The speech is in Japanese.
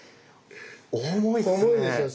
重いですね。